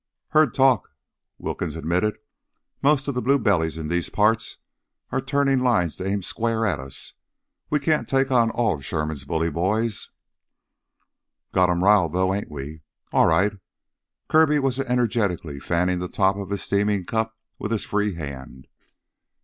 "Heard talk," Wilkins admitted. "Most of the blue bellies in these parts are turnin' lines to aim square at us. We can't take on all of Sherman's bully boys " "Got him riled, though, ain't we? All right." Kirby was energetically fanning the top of his steaming cup with his free hand.